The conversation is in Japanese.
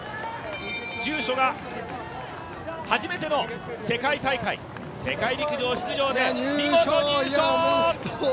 住所が初めての世界大会世界陸上出場で見事入賞！